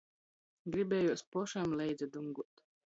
Gribējuos pošam leidza dunguot.